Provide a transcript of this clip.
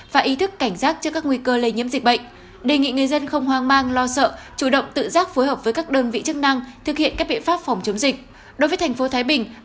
và ý thức cảnh giác cho các nguy cơ lây nhiễm dịch bệnh